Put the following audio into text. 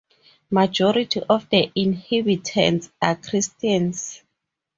Majority of the inhabitants are Christians.